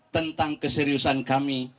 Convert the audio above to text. tentang keseriusan kami